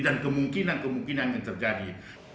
dan kemungkinan kemungkinan yang terjadi